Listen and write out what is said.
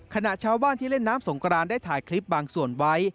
ขณะชาวบ้านที่เล่นน้ำสงกรานได้ถ่ายคลิปบางส่วนไว้